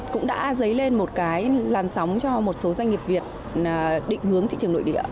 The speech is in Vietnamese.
cũng đã dấy lên một cái làn sóng cho một số doanh nghiệp việt định hướng thị trường nội địa